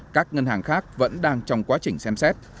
các ngân hàng khác vẫn đang trong quá trình xem xét